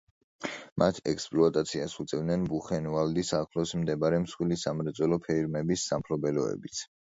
მათ ექსპლუატაციას უწევდნენ ბუხენვალდის ახლოს მდებარე მსხვილი სამრეწველო ფირმების სამფლობელოებიც.